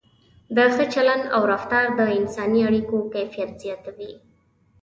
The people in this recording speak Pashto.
د ښه چلند او رفتار د انساني اړیکو کیفیت زیاتوي.